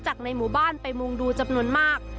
ในหมู่บ้านไปมุงดูจำนวนมาก